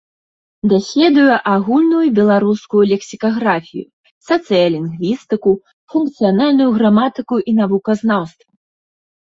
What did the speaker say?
Даследуе агульную і беларускую лексікаграфію, сацыялінгвістыку, функцыянальную граматыку і навуказнаўства.